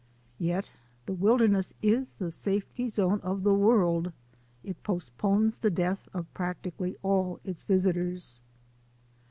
Yet the wilder ness is the safety zone of the world. It postpones the death of practically all its visitors.